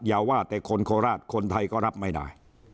อย่าว่าแต่คนโคราชคนไทยก็รับไม่ได้